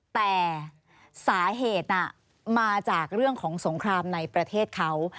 แต่สาเหตุมาจากเรื่องของสงครามในประเทศเขา